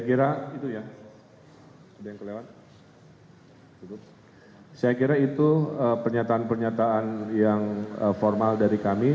kira itu ya ada yang kelewat saya kira itu pernyataan pernyataan yang formal dari kami